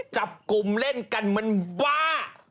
จับกลุ่มเล่นกันเหมือนว่า